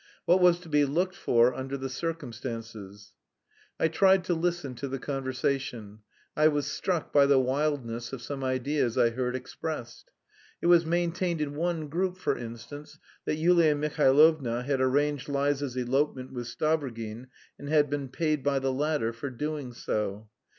What was to be looked for under the circumstances? I tried to listen to the conversation. I was struck by the wildness of some ideas I heard expressed. It was maintained in one group, for instance, that Yulia Mihailovna had arranged Liza's elopement with Stavrogin and had been paid by the latter for doing so.